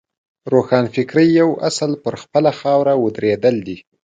روښانفکرۍ یو اصل پر خپله خاوره ودرېدل دي.